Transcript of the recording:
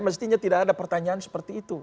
mestinya tidak ada pertanyaan seperti itu